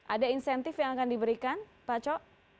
ada insentif yang akan diberikan pak co